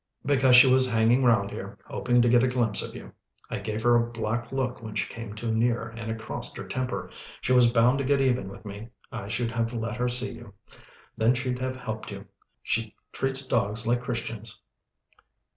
"Because she was hanging round here, hoping to get a glimpse of you. I gave her a black look when she came too near, and it crossed her temper. She was bound to get even with me. I should have let her see you. Then she'd have helped you. She treats dogs like Christians."